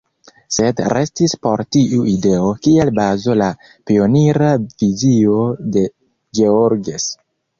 Sed restis por tiu ideo kiel bazo la pionira vizio de Georges.